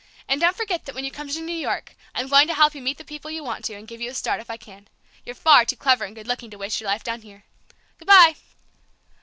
And don't forget that when you come to New York I'm going to help you meet the people you want to, and give you a start if I can. You're far too clever and good looking to waste your life down here. Good bye!"